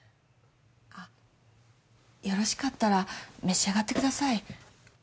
あよろしかったら召し上がってください。